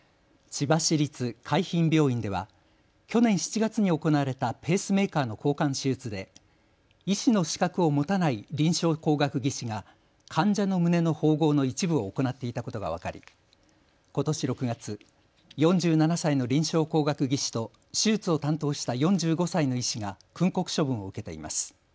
千葉市立海浜病院では去年７月に行われたペースメーカーの交換手術で医師の資格を持たない臨床工学技士が患者の胸の縫合の一部を行っていたことが分かり、ことし６月、４７歳の臨床工学技士と手術を担当した４５歳の医師が訓告処分を受けています。